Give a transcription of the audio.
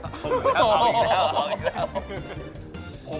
เป็นเท่าแล้ว